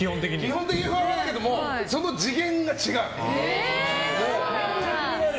基本的にふわふわだけどその次元が違う。